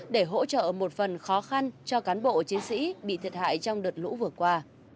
để hỗ trợ một phần khó khăn cho cán bộ chiến sĩ bị thiệt hại trong đợt lũ vừa qua